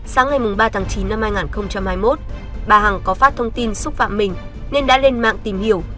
sáng ngày ba tháng chín năm hai nghìn hai mươi một bà hằng có phát thông tin xúc phạm mình nên đã lên mạng tìm hiểu